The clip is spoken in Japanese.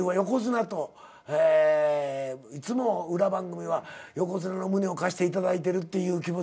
いつも裏番組は横綱の胸を貸していただいてるって気持ちで。